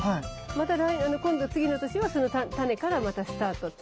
また今度次の年はその種からまたスタート。